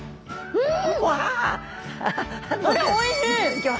うん。